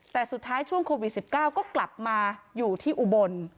แต่สุดท้ายช่วงโควิด๑๙ก็กลับมาอยู่ที่อุบล